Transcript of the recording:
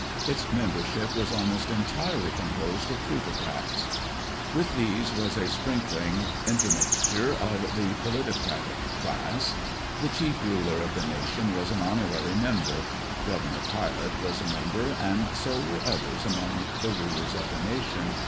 Its membership was almost entirely composed of plutocrats. With these was a sprinkling intermixture of the politicratic class. The chief ruler of the nation was an honorary member; Governor Pilate was a member, and so were others among the rulers of the nation.